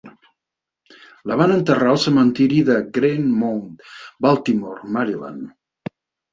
La van enterrar al cementiri de Green Mount, Baltimore, Maryland.